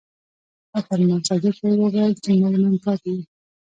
او فرمان ساجد ته يې وويل چې مونږ نن پاتې يو ـ